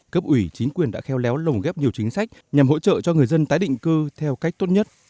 cấp ủy chính quyền đã kheo léo lồng ghép nhiều chính sách nhằm hỗ trợ cho người dân tái định cư theo cách tốt nhất